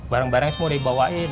barang barangnya semua dibawain